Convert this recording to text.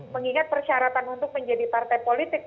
mengingat persyaratan untuk menjadi partai politik